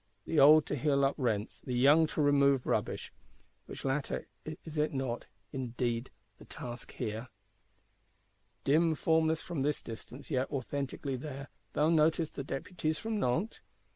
The old to heal up rents; the young to remove rubbish:—which latter, is it not, indeed, the task here? Dim, formless from this distance, yet authentically there, thou noticest the Deputies from Nantes?